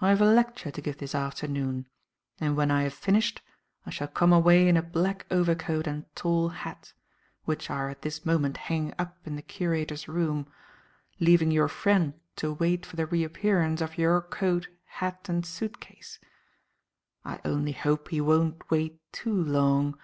I have a lecture to give this afternoon, and, when I have finished, I shall come away in a black overcoat and tall hat (which are at this moment hanging up in the curator's room), leaving your friend to wait for the reappearance of your coat, hat and suit case. I only hope he won't wait too long."